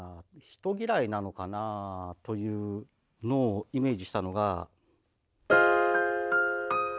人嫌いなのかなというのをイメージしたのが。